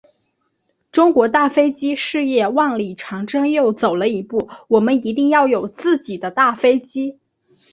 中国大飞机事业万里长征走了又一步，我们一定要有自己的大飞机。